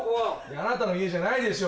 あなたの家じゃないでしょ。